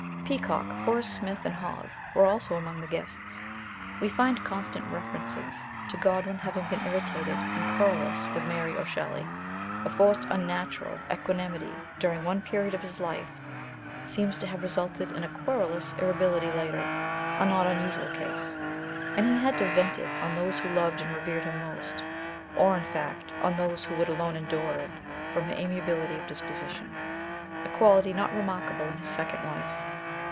Peacock, Horace Smith, and Hogg were also among the guests. We find constant references to Godwin having been irritated and querulous with Mary or Shelley. A forced, unnatural, equanimity during one period of his life seems to have resulted in a querulous irrita bility later a not unusual case and he had to vent it on those who loved and revered him most, or in fact, on those who would alone endure it from amiability of disposition, a quality not remarkable in his second wife.